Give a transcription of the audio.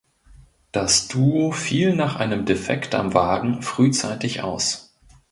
Das Duo fiel nach einem Defekt am Wagen frühzeitig aus.